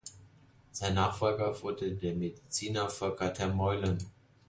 Sein Nachfolger wurde der Mediziner Volker ter Meulen.